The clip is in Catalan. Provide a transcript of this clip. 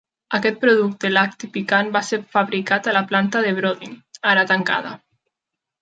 Aquest producte lacti picant va ser fabricat a la planta de Brodin, ara tancada.